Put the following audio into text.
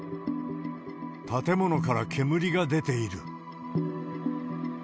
建物から煙が出ている。